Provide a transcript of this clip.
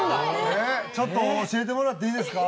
ちょっと教えてもらっていいですか？